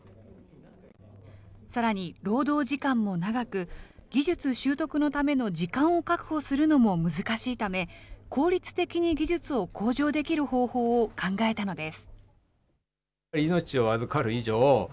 さらに労働時間も長く、技術習得のための時間を確保するのも難しいため、効率的に技術を向上できる方法を考えたのです。